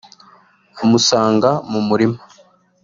amusanga mu murima